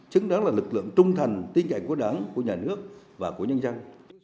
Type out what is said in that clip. chứng đáng là lực lượng trung thành tiên cạnh quốc đảng của nhà nước và của nhân dân